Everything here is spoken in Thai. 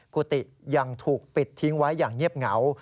กุฏิยังถูกปิดทิ้งไว้อย่างเงียบเหงา